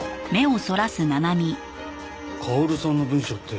薫さんの文書って。